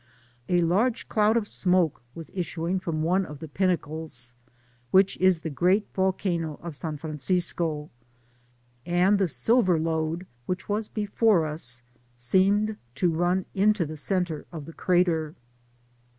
A large cloud of smoke was issuing from one df the pinnacles, \^hich is the great volcano of San Francesco 5 and the silvei' lode, which was before us, seemed to tun into the centre of the crater.